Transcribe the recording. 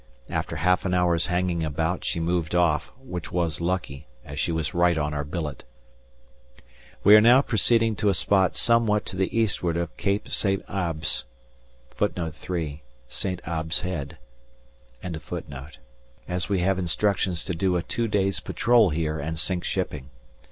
After half an hour's hanging about she moved off, which was lucky, as she was right on our billet. We are now proceeding to a spot somewhat to the eastward of Cape St. Abbs, as we have instructions to do a two days patrol here and sink shipping.